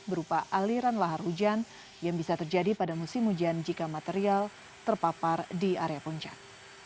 berupa aliran lahar hujan yang bisa terjadi pada musim hujan jika material terpapar di area puncak